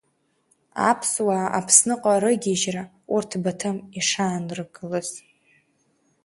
Аԥсуаа Аԥсныҟа рыгьежьра, урҭ Баҭым ишааныркылаз…